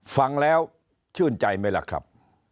ฟังแล้วชื่นใจไหมล่ะครับ